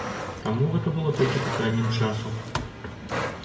Таму гэта было толькі пытаннем часу.